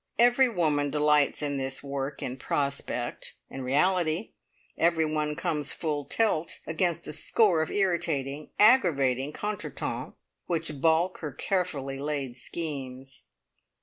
Every woman delights in this work in prospect; in reality, every one comes full tilt against a score of irritating, aggravating contretemps which baulk her carefully laid schemes.